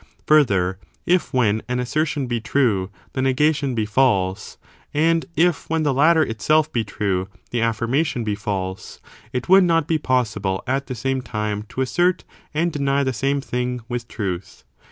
Further, if when an assertion be true the negation be false, and if when the latter itself be true the affirmation be false, it would not be possible at the same time to assert and deny the same thing with truth.